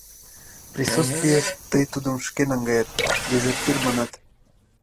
Присутствийыш тый тудым шке наҥгает, «дезертир» манат.